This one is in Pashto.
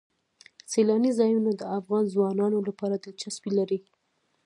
سیلانی ځایونه د افغان ځوانانو لپاره دلچسپي لري.